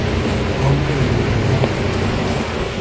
Cómpre vivir con calma.